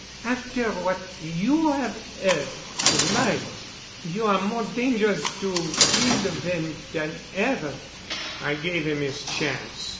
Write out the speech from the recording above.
After what you 'ave 'eard to night, you are more dangerous to Quinlevin dan ever." "I gave him his chance.